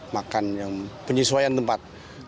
makan yang penyesuaian tempat